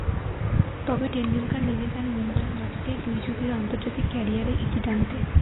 তবে টেন্ডুলকার নিজে চান মুম্বাইয়ের মাটিতেই দুই যুগের আন্তর্জাতিক ক্যারিয়ারে ইতি টানতে।